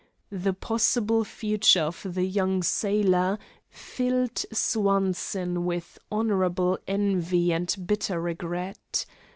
The possible future of the young sailor filled Swanson with honorable envy and bitter regret.